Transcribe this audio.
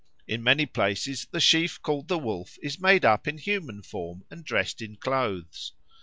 In many places the sheaf called the Wolf is made up in human form and dressed in clothes.